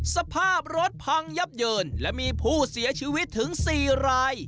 สภาพรถพังยับเยินและมีผู้เสียชีวิตถึง๔ราย